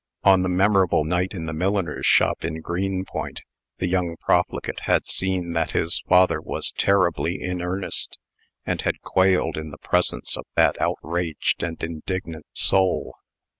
On the memorable night in the milliner's shop in Greenpoint, the young profligate had seen that his father was terribly in earnest, and had quailed in the presence of that outraged and indignant soul.